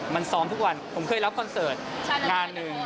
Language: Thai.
มันซ้อมทุกวันผมเคยรับคอนเสิร์ตงานหนึ่ง